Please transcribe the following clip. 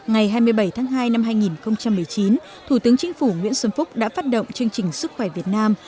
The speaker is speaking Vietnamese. ngày hai mươi bảy tháng hai năm hai nghìn một mươi chín thủ tướng chính phủ nguyễn xuân phúc đã phát động chương trình sức khỏe việt nam